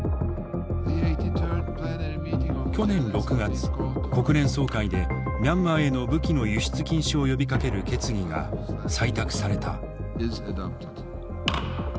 去年６月国連総会でミャンマーへの武器の輸出禁止を呼びかける決議が採択された。